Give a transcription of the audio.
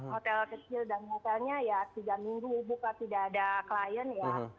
hotel kecil dan hotelnya ya tiga minggu buka tidak ada klien ya